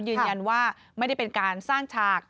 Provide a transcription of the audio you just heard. ยืนยันว่าไม่ได้เป็นการสร้างฉาก